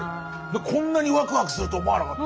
こんなにわくわくすると思わなかった。